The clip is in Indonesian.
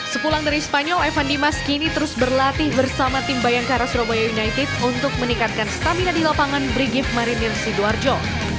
sepulang dari spanyol evan dimas kini terus berlatih bersama tim bayangkara surabaya united untuk meningkatkan stamina di lapangan brigif marinir sidoarjo